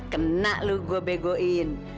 kena lu gue begoin